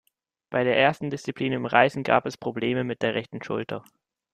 Bei der ersten Disziplin, dem Reißen, gab es Probleme mit der rechten Schulter.